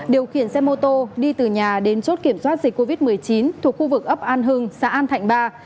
điều khiển xe mô tô đi từ nhà đến chốt kiểm soát dịch covid một mươi chín thuộc khu vực ấp an hưng xã an thạnh ba